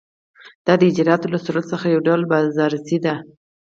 دا د اجرااتو له صورت څخه یو ډول بازرسي ده.